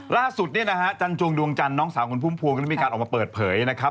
ล่าสุดนี้นะฮะจันทุงดวงจันน้องสาวคุณภูมิค่อนข้างไม่กลัวออกมาเปิดเผยนะครับ